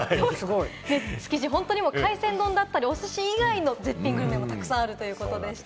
築地は本当に海鮮丼だったり、おすし以外の絶品グルメもたくさんあるということでした。